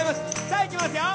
さあいきますよ！